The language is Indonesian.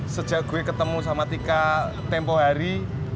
sejak gue ketemu sama tika tempoh hari